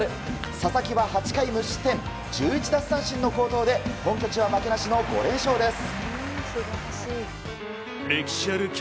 佐々木は８回無失点１１奪三振の好投で本拠地は負けなしの５連勝です。